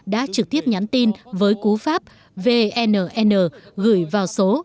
đã trực tiếp nhắn tin với cú pháp vnn gửi vào số một nghìn bốn trăm linh chín